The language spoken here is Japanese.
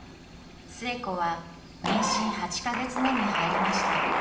寿恵子は妊娠８か月目に入りました。